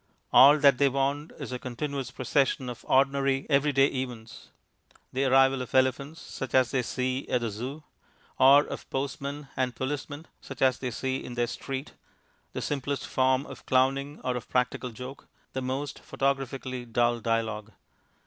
All that they want is a continuous procession of ordinary everyday events the arrival of elephants (such as they see at the Zoo), or of postmen and policemen (such as they see in their street), the simplest form of clowning or of practical joke, the most photographically dull dialogue.